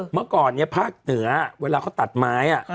เมื่อก่อนพลาดเหนือเวลาเขาตัดไม้